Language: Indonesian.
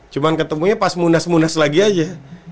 cuma ketemunya pas munas munas lagi aja